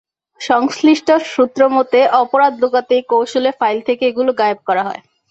সংশ্লিষ্ট সূত্রমতে, অপরাধ লুকাতেই কৌশলে ফাইল থেকে এগুলো গায়েব করা হয়।